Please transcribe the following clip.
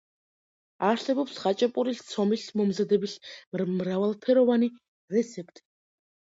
არსებობს ხაჭაპურის ცომის მომზადების მრავალფეროვანი რეცეპტი.